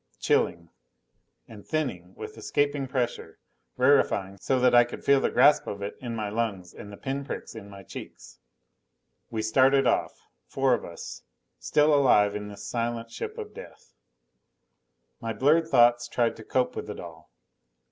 Chilling. And thinning, with escaping pressure, rarefying so that I could feel the grasp of it in my lungs and the pin pricks in my cheeks. We started off. Four of us, still alive in this silent ship of death. My blurred thoughts tried to cope with it all.